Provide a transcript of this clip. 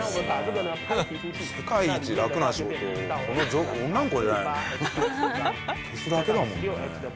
消すだけだもんね。